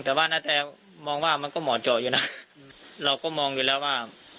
แต่ว่านาแตมองว่ามันก็เหมาะเจาะอยู่นะเราก็มองอยู่แล้วว่า